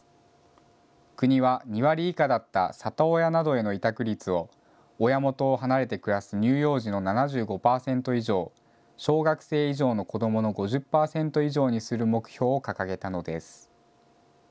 国は２割以下だった里親などへの委託率を、親元を離れて暮らす乳幼児の７５％以上、小学生以上の子どもの５０％以上にする目標を掲げたのです。